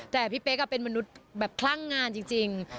แต่พี่เป๊กเป็นมนุษย์แบบคลั่งงานจริง